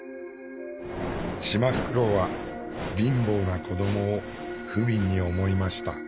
シマフクロウは貧乏な子どもを不憫に思いました。